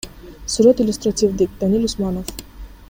Сүрөт иллюстративдик, Даниль Усманов.